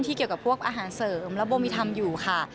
เกี่ยวกับพวกอาหารเสริมและโบมีทำอยู่ค่ะ